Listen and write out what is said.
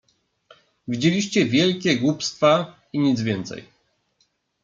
"Widzieliście wielkie głupstwa i nic więcej."